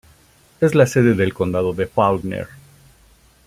Es la sede del Condado de Faulkner.